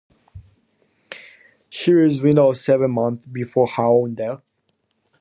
She was widowed seven months before her own death.